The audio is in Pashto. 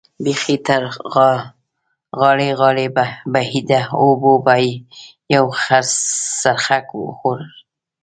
بېخي تر غاړې غاړې بهېده، اوبو به یو څرخک وخوړ.